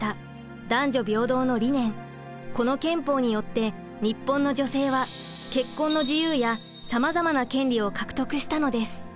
この憲法によって日本の女性は結婚の自由やさまざまな権利を獲得したのです。